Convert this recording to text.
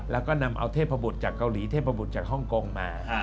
แล้วก็นำเอาเทพบุตรจากเกาหลีเทพบุตรจากฮ่องกงมา